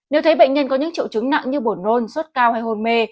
nếu thấy bệnh nhân có những triệu chứng nặng như bổn nôn sốt cao hay hôn mê